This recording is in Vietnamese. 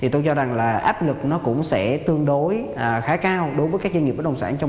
tôi cho rằng áp lực cũng sẽ tương đối khá cao đối với các doanh nghiệp bất động sản